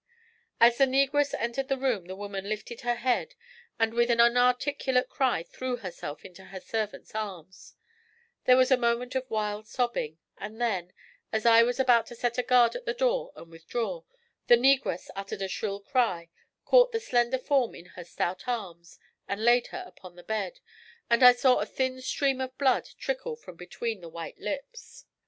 As the negress entered the room the woman lifted her head, and with an inarticulate cry threw herself into her servant's arms; there was a moment of wild sobbing, and then, as I was about to set a guard at the door and withdraw, the negress uttered a shrill cry, caught the slender form in her stout arms and laid her upon the bed, and I saw a thin stream of blood trickle from between the white lips.